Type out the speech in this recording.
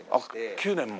９年も？